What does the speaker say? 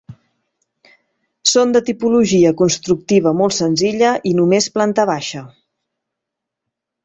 Són de tipologia constructiva molt senzilla i només planta baixa.